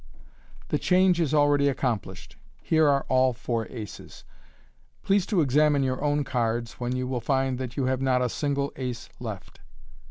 The change is already accomplished. Here are all four aces. Please to examine your own cards, when you will find you have not a single ace left.